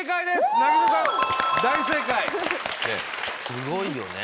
すごいよね。